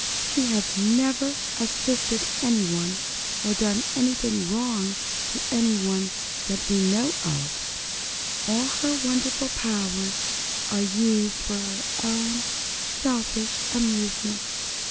She has never assisted anyone, or done wrong to anyone, that we know of. All her wonderful powers are used for her own selfish amusement.